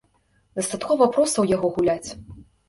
Дастаткова проста ў яго гуляць.